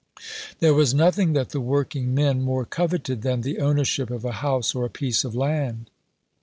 There was nothing that the working men more coveted than the ownership of a house or a piece of land.